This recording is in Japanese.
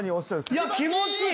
いや気持ちいい。